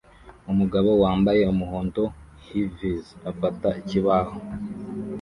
Umugabo wambaye umuhondo hi-viz afata ikibaho